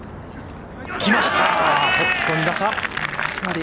来ました！